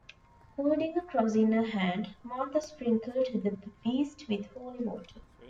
Holding a cross in her hand, Martha sprinkled the beast with holy water.